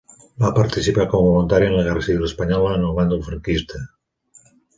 Va participar com a voluntari en la guerra civil espanyola en el bàndol franquista.